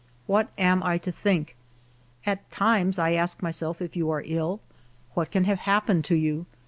What am I to think ? At times I ask myself if you are ill, what can have happened to you.